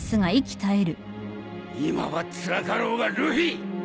今はつらかろうがルフィ！